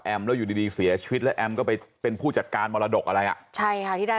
แล้วอยู่ดีดีเสียชีวิตแล้วแอมก็ไปเป็นผู้จัดการมรดกอะไรอ่ะใช่ค่ะที่ได้